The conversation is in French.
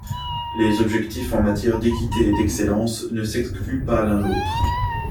Les objectifs en matière d'équité et d'excellence ne s'excluent pas l'un l'autre.